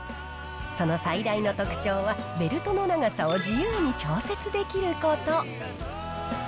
その最大の特徴は、ベルトの長さを自由に調節できること。